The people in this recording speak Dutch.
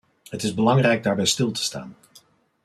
Het is belangrijk daarbij stil te staan.